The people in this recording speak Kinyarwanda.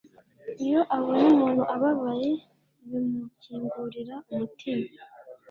iyo abonye umuntu ababaye, bimukingurira umutima